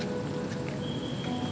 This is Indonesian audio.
kamu masih dikasih keselamatan